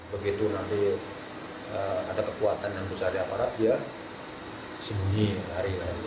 begitu nanti ada kekuatan yang besar di aparat dia sembunyi hari